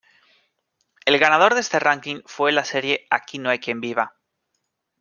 El ganador de este ranking fue la serie Aquí no hay quien viva.